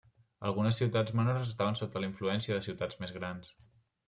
Algunes ciutats menors estaven sota la influència de ciutats més grans.